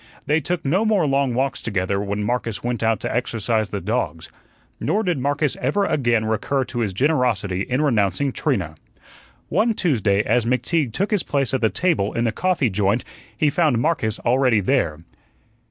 They took no more long walks together when Marcus went out to exercise the dogs. Nor did Marcus ever again recur to his generosity in renouncing Trina. One Tuesday, as McTeague took his place at the table in the coffee joint, he found Marcus already there.